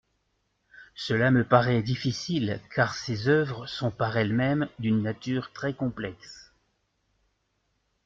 Cela me paraît difficile, car ces oeuvres sont par elles-mêmes d'une nature très complexe.